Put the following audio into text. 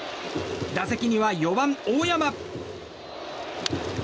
打席には４番、大山。